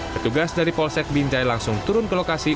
petugas dari polsek binjai langsung turun ke lokasi